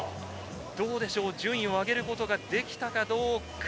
どうでしょう、順位を上げることができたかどうか。